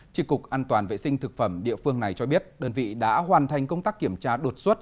trị cục an toàn vệ sinh thực phẩm địa phương này cho biết đơn vị đã hoàn thành công tác kiểm tra đột xuất